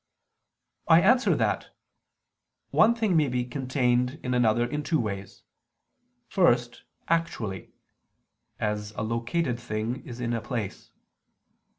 I answer that, One thing may be contained in another in two ways. First, actually; as a located thing is in a place.